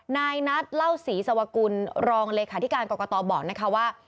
นายนัทเล่าศรีสวกุลรองเลขาธิการกรกตบอกนะคะว่า